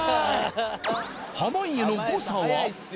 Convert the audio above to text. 濱家の誤差は？